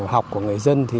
học của người dân